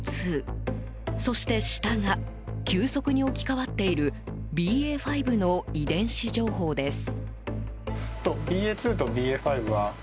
そして下が急速に置き換わっているＢＡ．５の遺伝子情報です。